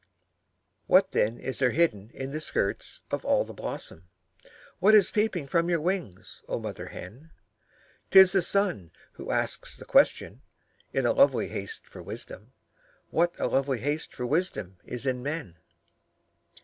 What then is there hidden in the skirts of all the blossom, What is peeping from your wings, oh mother hen? 'T is the sun who asks the question, in a lovely haste for wisdom What a lovely haste for wisdom is in men?